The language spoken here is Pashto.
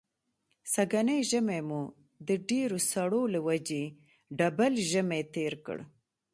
سږنی ژمی مو د ډېرو سړو له وجې ډبل ژمی تېر کړ.